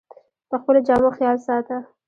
د خپلو جامو خیال ساته